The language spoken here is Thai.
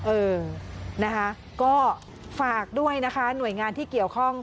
เออนะคะก็ฝากด้วยนะคะหน่วยงานที่เกี่ยวข้อง